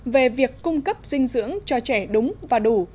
về việc cung cấp dinh dưỡng cho trẻ đúng và đủ